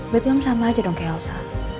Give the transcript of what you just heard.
berarti om sama aja dong ke elsa